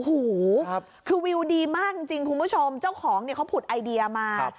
โอ้โหคือวิวดีมากจริงคุณผู้ชมเจ้าของเนี่ยเขาผุดไอเดียมา